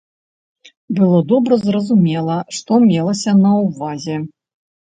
Было добра зразумела, што мелася на ўвазе!